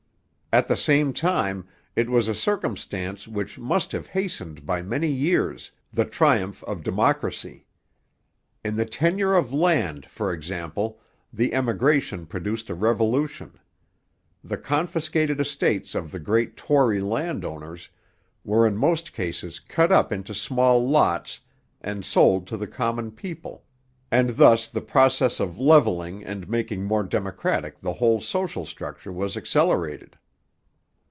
At the same time it was a circumstance which must have hastened by many years the triumph of democracy. In the tenure of land, for example, the emigration produced a revolution. The confiscated estates of the great Tory landowners were in most cases cut up into small lots and sold to the common people; and thus the process of levelling and making more democratic the whole social structure was accelerated.